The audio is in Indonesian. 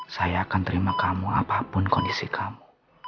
saya akan terima kamu apapun kondisi kamu